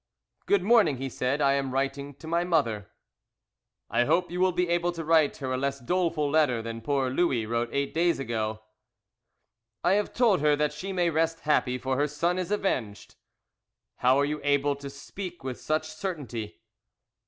"Good morning," he said, "I am writing to my mother." "I hope you will be able to write her a less doleful letter than poor Louis wrote eight days ago." "I have told her that she may rest happy, for her son is avenged." "How are you able to speak with such certainty?"